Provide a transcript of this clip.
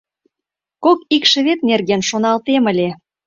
Кеч икшывет нерген шоналтем ыле!